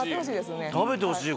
食べてほしい